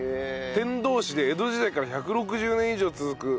天童市で江戸時代から１６０年以上続くおそば屋さん